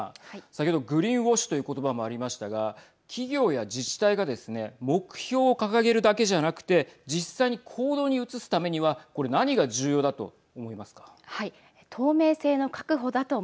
先ほど、グリーンウォッシュという言葉もありましたが企業や自治体がですね目標を掲げるだけじゃなくて実際に行動に移すためにはこれ何が重要だと思いますか。